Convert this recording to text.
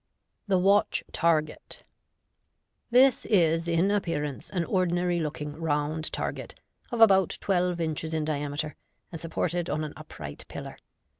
The Watch Target. — This is in appearance an ordinary looking round target, of about twelve inches in diameter, and supported on an upright pillar.